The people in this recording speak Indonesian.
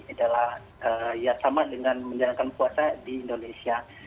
adalah ya sama dengan menjalankan puasa di indonesia